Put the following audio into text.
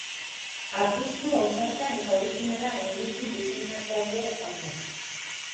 Apustu ausarta eta orijinala egin du diseinatzaile honek.